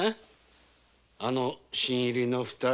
あの新入りの２人。